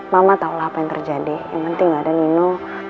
mama tahulah apa yang terjadi yang penting ada nino